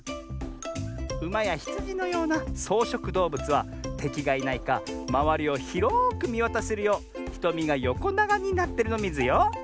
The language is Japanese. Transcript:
ウマやヒツジのようなそうしょくどうぶつはてきがいないかまわりをひろくみわたせるようひとみがよこながになってるのミズよ。